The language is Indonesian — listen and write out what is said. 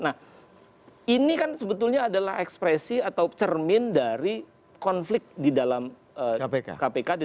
nah ini kan sebetulnya adalah ekspresi atau cermin dari konflik di dalam kpk